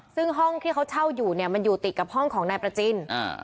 ซึ่งห้องที่เขาเช่าอยู่เนี่ยมันอยู่ติดกับห้องของนายประจินอ่า